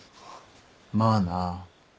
まあな。